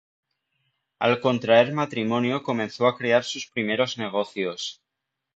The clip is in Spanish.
Al contraer matrimonio comenzó a crear sus primeros negocios.